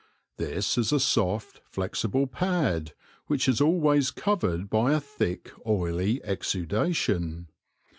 This is a soft, flexible pad, which is always covered by a thick, oily exudation.